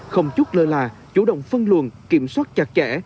không chút lơ là chủ động phân luồn kiểm soát chặt chẽ